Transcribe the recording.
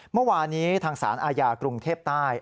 เมื่อวานี้ทางสารอาญากรุงเทพใต้